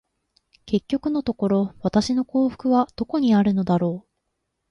結局のところ、私の幸福はどこにあるのだろう。